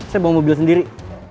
saya bawa mobil sendiri